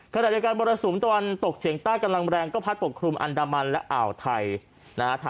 ชายการประสุนต่อตกเฉียงตากำลังแรงก็พัดปกครุมอันดามันอ่าวไทย